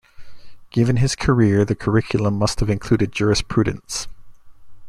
Given his career, the curriculum must have included jurisprudence.